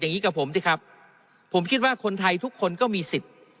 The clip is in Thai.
อย่างนี้กับผมสิครับผมคิดว่าคนไทยทุกคนก็มีสิทธิ์